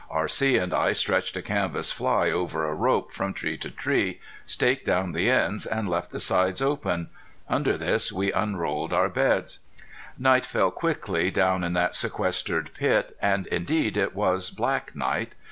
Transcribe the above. R.C. and I stretched a canvas fly over a rope from tree to tree, staked down the ends, and left the sides open. Under this we unrolled our beds. Night fell quickly down in that sequestered pit, and indeed it was black night.